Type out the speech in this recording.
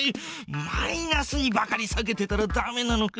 マイナスにばかりさけてたらダメなのか。